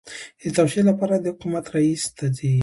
د توشیح لپاره د حکومت رئیس ته ځي.